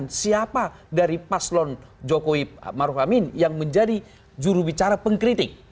kemudian siapa dari paslon jokowi maruf amin yang menjadi jurubicara pengkritik